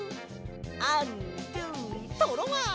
アンドゥトロワ！